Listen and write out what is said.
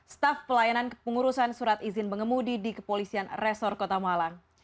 staf pelayanan kepengurusan surat izin mengemudi di kepolisian resor kota malang